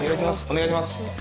お願いします。